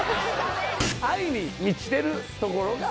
愛に満ちてるところが。